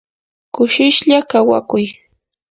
kushishlla kawakuy.